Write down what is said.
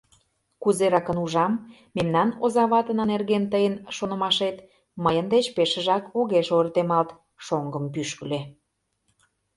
— Кузеракын ужам, мемнан озаватына нерген тыйын шонымашет мыйын деч пешыжак огеш ойыртемалт, — шоҥгым пӱшкыльӧ.